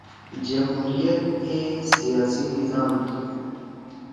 جمہوریت اے سیاسی نظام تُھو۔